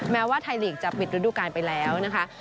แม้ว่าไทยลีกจะปิดฤดูการไปแล้วนะคะ